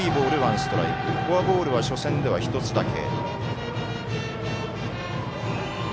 フォアボールは初戦では１つだけ。